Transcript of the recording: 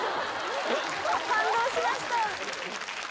感動しました